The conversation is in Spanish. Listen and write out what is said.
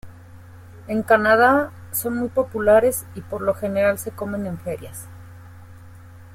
En Canadá, son muy populares y por lo general se comen en ferias.